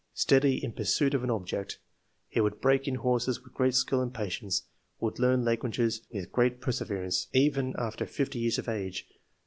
Steady in pursuit of an object. He would break in horses with great skill and patience ; would learn languages with great perseverance, even after fifty years of age.